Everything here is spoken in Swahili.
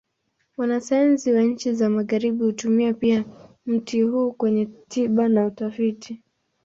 Wanasayansi wa nchi za Magharibi hutumia pia mti huu kwenye tiba na utafiti.